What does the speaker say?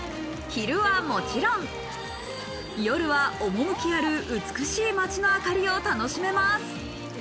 昼はもちろん、夜は趣ある美しい街の灯を楽しめます。